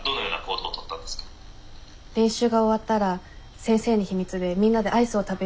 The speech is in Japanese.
練習が終わったら先生に秘密でみんなでアイスを食べようと声をかけました。